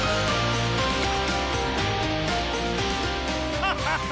フハハハ！